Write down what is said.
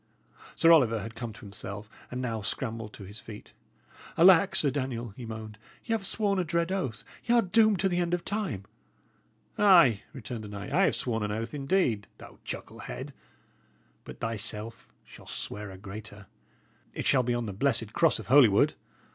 Sir Oliver had come to himself, and now scrambled to his feet. "Alack, Sir Daniel!" he moaned, "y' 'ave sworn a dread oath; y' are doomed to the end of time." "Ay," returned the knight, "I have sworn an oath, indeed, thou chucklehead; but thyself shalt swear a greater. It shall be on the blessed cross of Holywood.